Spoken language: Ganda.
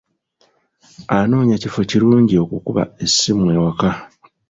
Anoonya kifo kirungi okukuba essimu ewaka.